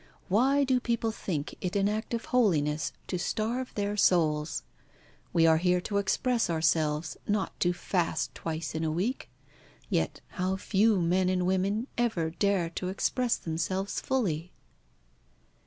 Why do people think it an act of holiness to starve their souls? We are here to express ourselves, not to fast twice in a week. Yet how few men and women ever dare to express themselves fully?"